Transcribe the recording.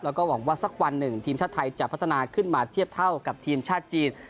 แล้วก็หวังว่าสักวันหนึ่งทีมชาติไทยจะพัฒนาขึ้นมาเทียบเท่ากับทีมชาติจีน